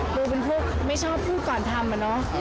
ปูเป็นผู้ไม่ชอบพูดก่อนทำอะเนาะ